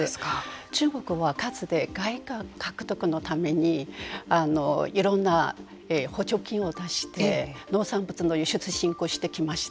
中国はかつて外貨獲得のためにいろんな補助金を出して農産物の輸出振興をしてきました。